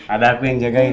ada aku yang jagain